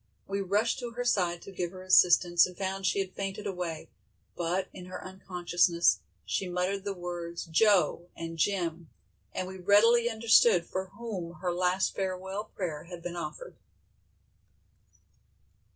We rushed to her side to give her assistance, and found she had fainted away, but in her unconsciousness she muttered the words "Joe" and "Jim", and we readily understood for whom her last farewell prayer had been offered.